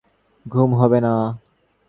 ঘুম হবে না।